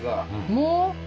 もう？